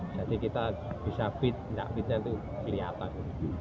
jadi kita bisa fit enggak fitnya itu kelihatan